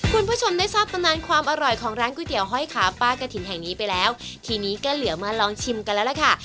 คุณผู้ชมได้ทราบตำนานความอร่อยของร้านก๋วยเตี๋ห้อยขาป้ากะถิ่นแห่งนี้ไปแล้วทีนี้ก็เหลือมาลองชิมกันแล้วล่ะค่ะ